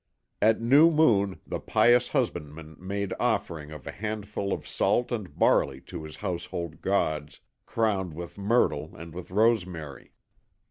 At new moon the pious husbandman made offering of a handful of salt and barley to his household gods crowned with myrtle and with rosemary.